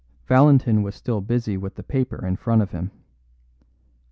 Valentin was still busy with the paper in front of him.